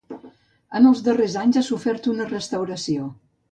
En els darrers anys ha sofert una restauració.